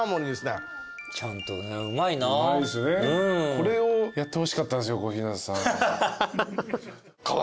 これをやってほしかったんですよ小日向さん。